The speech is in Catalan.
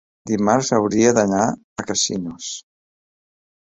Dimarts hauria d'anar a Casinos.